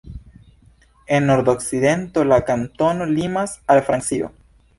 En nordokcidento la kantono limas al Francio.